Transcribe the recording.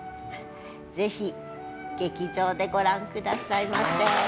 ぜひ劇場でご覧くださいませ。